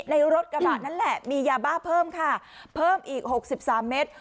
ในรถกระบะนั่นแหละมียาบ้าเพิ่มค่ะเพิ่มอีก๖๓เมตร